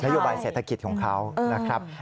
โยบายเศรษฐกิจของเขานะครับ